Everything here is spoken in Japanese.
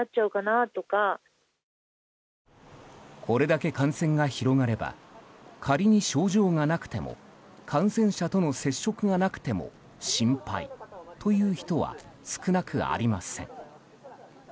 これだけ感染が広がれば仮に症状がなくても感染者との接触がなくても心配という人は少なくありません。